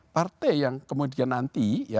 partai yang kemudian nanti